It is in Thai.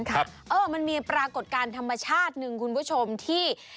มันมีปรากฏการณ์ธรรมชาติหนึ่งคุณผู้ชมที่